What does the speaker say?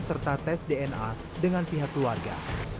serta tes dna dengan pihak keluarga